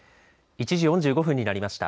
１時４５分になりました。